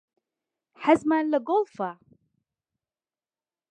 حەزمان لە گۆڵفە.